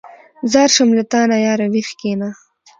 ځار شم له تانه ياره ویښ کېنه.